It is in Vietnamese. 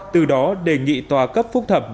từ đó đề nghị tòa cấp phúc thẩm